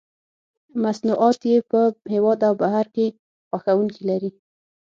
مصنوعات یې په هېواد او بهر کې خوښوونکي لري.